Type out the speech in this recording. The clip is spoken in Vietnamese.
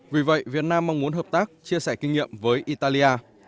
vì vậy việt nam mong muốn hợp tác chia sẻ kinh nghiệm với italia